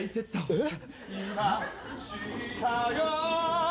えっ？